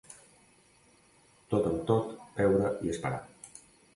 Tot amb tot, veure i esperar.